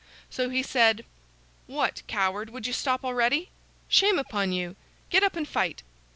So he said: "What, coward, would you stop already? Shame upon you! Get up and fight."